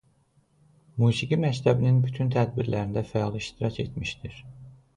Musiqi məktəbinin bütün tədbirlərində fəal iştirak etmişdir.